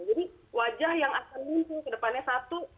jadi wajah yang akan muncul ke depannya satu